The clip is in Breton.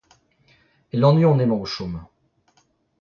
E Lannuon emañ o chom.